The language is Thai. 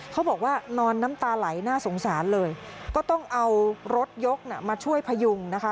เขาบอกว่านอนน้ำตาไหลน่าสงสารเลยก็ต้องเอารถยกมาช่วยพยุงนะคะ